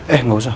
eh gak usah